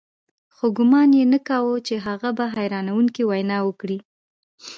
خو ګومان یې نه کاوه چې هغه به حیرانوونکې وینا وکړي